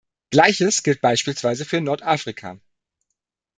Gleiches gilt beispielsweise für Nordafrika.